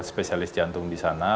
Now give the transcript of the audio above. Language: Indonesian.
spesialis jantung di sana